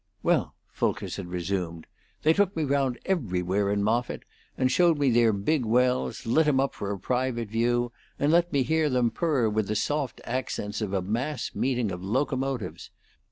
"Well," Fulkerson resumed, "they took me round everywhere in Moffitt, and showed me their big wells lit 'em up for a private view, and let me hear them purr with the soft accents of a mass meeting of locomotives.